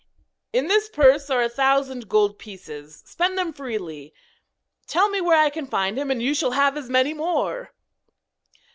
'In this purse are a thousand gold pieces; spend them freely. Tell me where I can find him and you shall have as many more.'